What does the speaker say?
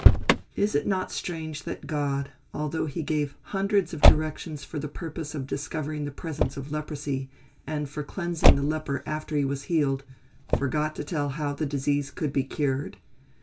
Is it not strange that God, although he gave hundreds of directions for the purpose of discovering the presence of leprosy, and for cleansing the leper after he was healed, forgot to tell how that disease could be cured?